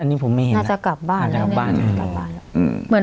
อันนี้ผมไม่เห็นน่าจะกลับบ้านแล้วน่าจะกลับบ้านแล้วอืมอืมเหมือน